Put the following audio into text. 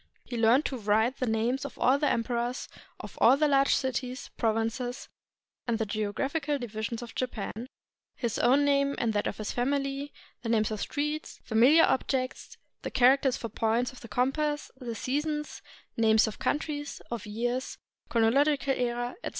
He learned to write the names of all the em perors, of all the large cities, provinces, and the geo graphical divisions of Japan, his own name and that of his family, the names of streets, familiar objects, the characters for points of the compass; the seasons, names of countries, of years, chronological era, etc.